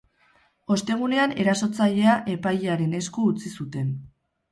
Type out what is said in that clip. Ostegunean, erasotzailea epailearen esku utzi zuten.